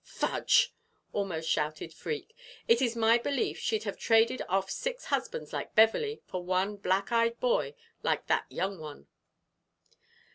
"Fudge!" almost shouted Freke. "It's my belief she'd have traded off six husbands like Beverley for one black eyed boy like that young one."